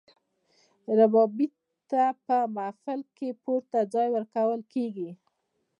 ربابي ته په محفل کې پورته ځای ورکول کیږي.